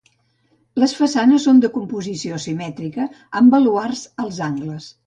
Les façanes són de composició simètrica, amb baluards als angles.